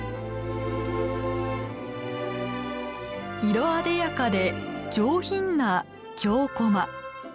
色あでやかで上品な「京こま」。